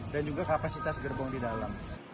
dan juga kapasitas gerbong di dalam